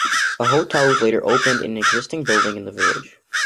A hotel was later opened in an existing building in the village.